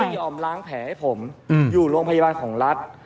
ยอมล้างแผลให้ผมอยู่โรงพยาบาลของรัฐ